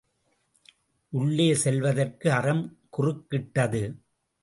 உள்ளே செல்வதற்கு அறம் குறுக்– கிட்டது.